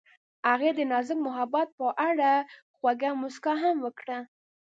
هغې د نازک محبت په اړه خوږه موسکا هم وکړه.